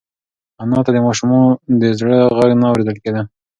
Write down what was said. انا ته د ماشوم د زړه غږ نه اورېدل کېده.